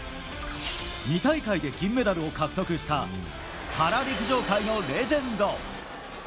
２大会で銀メダルを獲得したパラ陸上界のレジェンド。